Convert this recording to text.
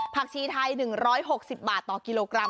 ชีไทย๑๖๐บาทต่อกิโลกรัม